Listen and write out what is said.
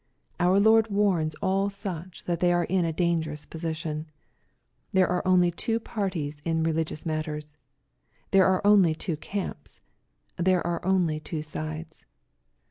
Our Lord warns all such that they are in a dangerous position. There are only two parties in religious matters. There are only two camps. There are only two sides.